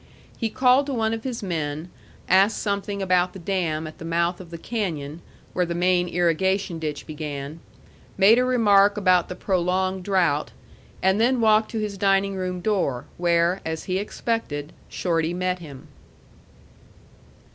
He called to one of his men, asked something about the dam at the mouth of the canyon, where the main irrigation ditch began, made a remark about the prolonged drought, and then walked to his dining room door, where, as he expected, Shorty met him.